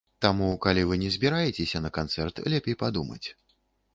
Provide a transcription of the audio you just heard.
Таму, калі вы не збіраецеся на канцэрт, лепей падумаць.